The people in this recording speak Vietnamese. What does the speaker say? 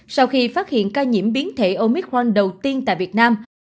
sau khi phát hiện ca nhiễm biến thể omicron đầu tiên tại việt nam